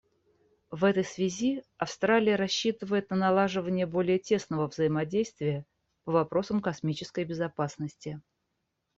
В этой связи Австралия рассчитывает на налаживание более тесного взаимодействия по вопросам космической безопасности.